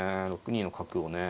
６二の角をね。